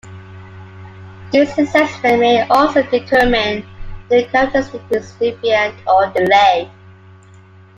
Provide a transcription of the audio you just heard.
This assessment may also determine if the characteristic is deviant or delayed.